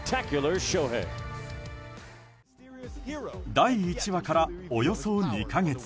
第１話から、およそ２か月。